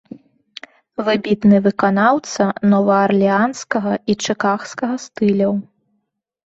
Выбітны выканаўца новаарлеанскага і чыкагскага стыляў.